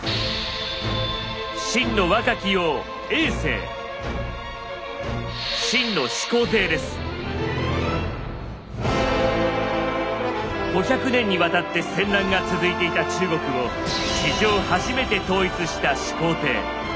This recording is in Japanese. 秦の若き王５００年にわたって戦乱が続いていた中国を史上初めて統一した始皇帝。